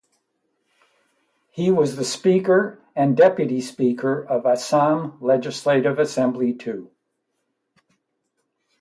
He was the speaker and deputy speaker of Assam Legislative Assembly too.